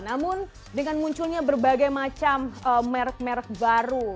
namun dengan munculnya berbagai macam merek merek baru